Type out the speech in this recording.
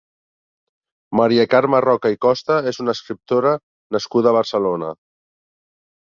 Maria Carme Roca i Costa és una escriptora nascuda a Barcelona.